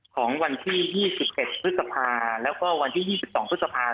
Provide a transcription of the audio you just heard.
ของวันที่๒๑พฤษภาแล้วก็วันที่๒๒พฤษภา